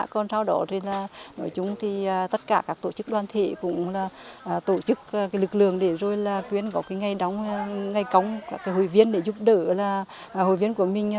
còn sau đó thì tất cả các tổ chức đoàn thể cũng là tổ chức lực lượng để rồi là quyền có cái ngày đóng ngày cống các hội viên để giúp đỡ là hội viên của mình